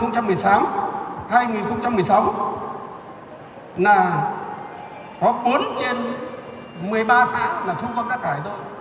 có bốn trên một mươi ba xã là thu công tác cải đối